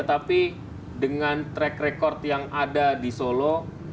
tapi dengan track record yang ada di solo